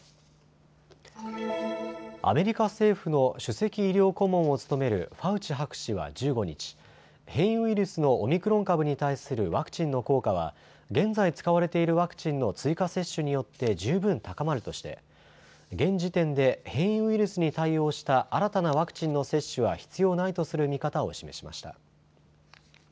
アメリカ政府の首席医療顧問を務めるファウチ博士は１５日、変異ウイルスのオミクロン株に対するワクチンの効果は現在使われているワクチンの追加接種によって十分高まるとして現時点で変異ウイルスに対応した新たなワクチンの接種は必要ないとする見方を示しました。